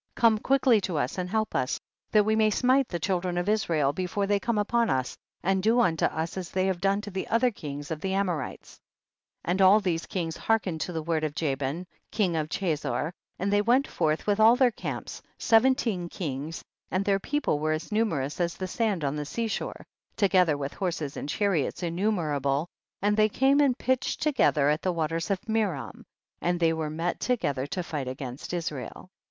Come quickly to us and help us, that we may smite the children of Israel, before thev come upon us and do unto us as they have done to the other kings of the Amorites. THE BOOK OF JASHER. 263 41. And all these kings hearkened to the words of Jabin, king of Cha zor, and they went forth with all their camps, seventeen kings, and their people were as numerous as the sand on the sea shore, together with horses and chariots innumerable, and they came and pitched together at the waters of Merom, and they were met together to fight against Israel.